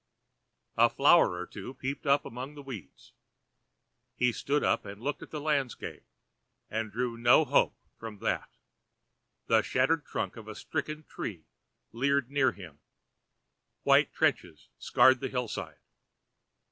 A flower or two peeped up among the weeds. He stood up and looked at the landscape and drew no hope from that, the shattered trunk of a stricken tree leered near him, white trenches scarred the hillside.